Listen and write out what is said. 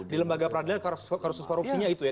di lembaga peradilan kasus korupsinya itu ya